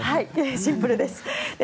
シンプルです。